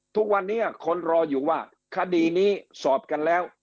ทุกวันนี้คนรออยู่ว่าคดีนี้สอบกันแล้ว